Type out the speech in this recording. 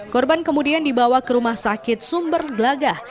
korban kemudian dibawa ke rumah sakit sumber gelagah